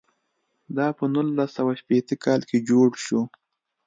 دا په نولس سوه شپېته کال کې جوړ شو.